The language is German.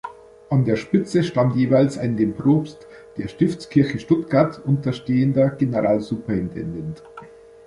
An der Spitze stand jeweils ein dem Propst der Stiftskirche Stuttgart unterstehender Generalsuperintendent.